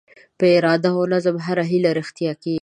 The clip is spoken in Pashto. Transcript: په اراده او نظم هره هیله رښتیا کېږي.